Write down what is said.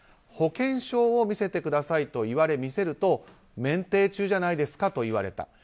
保険証を見せてくださいと言われ見せると免停中じゃないですかと言われた。